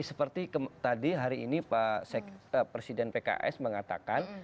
seperti tadi hari ini pak presiden pks mengatakan